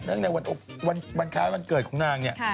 ในวันคล้ายวันเกิดของนางเนี่ย